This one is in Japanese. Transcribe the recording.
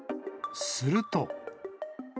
すると。